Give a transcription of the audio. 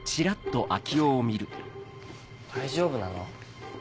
大丈夫なの？